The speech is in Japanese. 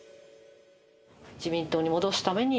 自民党に戻すために？